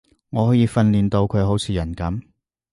我可以訓練到佢好似人噉